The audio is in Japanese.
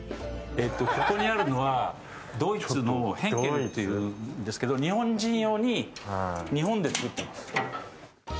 ここにあるのはドイツのヘンケルですけれど、日本人用に日本で作っています。